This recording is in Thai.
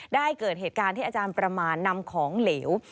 เกิดเหตุการณ์ที่อาจารย์ประมาณนำของเหลว